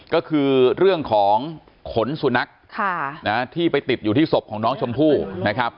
ก็คือเรื่องของขนสุนัขที่ไปติดอยู่ที่ศพของน้องชมพู่นะครับ